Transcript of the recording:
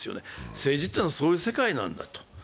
政治というのはそういう世界なんだと。